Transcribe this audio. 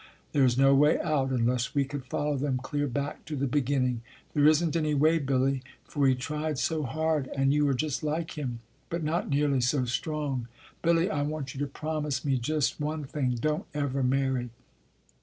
There is no way out unless we could follow them clear back to the begin ning. There isn t any way, Billy, for he tried so hard, and you are just like him, but not nearly so strong. Billy, I want you to promise me just one thing don t ever marry.